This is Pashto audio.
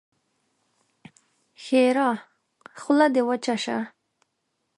ښېرا: خوله دې وچه شه!